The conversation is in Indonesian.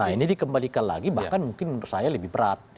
nah ini dikembalikan lagi bahkan mungkin menurut saya lebih berat